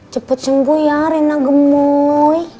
cepet sembuh ya rina gemoy